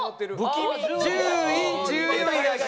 １０位１４位が。